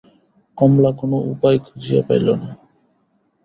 কমলা কোনো উপায় খুঁজিয়া পাইল না।